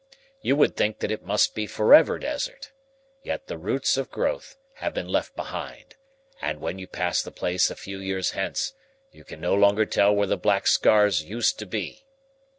You would think that it must be forever desert. Yet the roots of growth have been left behind, and when you pass the place a few years hence you can no longer tell where the black scars used to be.